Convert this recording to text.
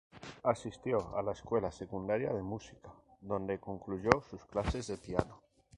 Asistió a la escuela secundaria de Música donde concluyó sus clases de piano.